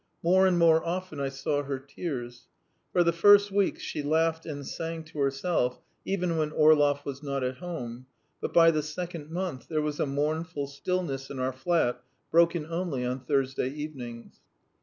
More and more often I saw her tears. For the first weeks she laughed and sang to herself, even when Orlov was not at home, but by the second month there was a mournful stillness in our flat broken only on Thursday evenings.